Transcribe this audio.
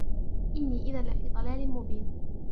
إني إذا لفي ضلال مبين